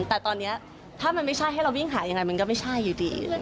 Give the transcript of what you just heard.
แต่ตอนนี้ถ้ามันไม่ใช่ให้เราวิ่งหายังไงมันก็ไม่ใช่อยู่ดี